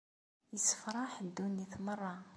Issefraḥ ddunit merra.